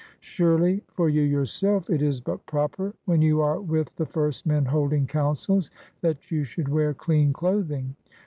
Surely for you yourself it is but proper, when you are with the first men holding councils, that you should wear clean clothing.